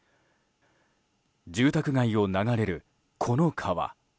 住宅街を流れる、この川。